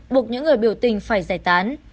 buộc những người biểu tình phải giải tán